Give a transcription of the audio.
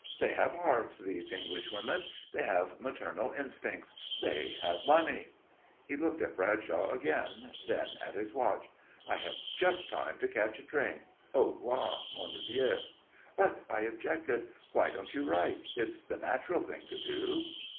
They have hearts, these English women. They have maternal instincts. They have money." He looked at Bradshaw again, then at his watch. "I have just time to catch a train. Au revoir, mon vieux." "But," I objected, "why don't you write? It's the natural thing to do."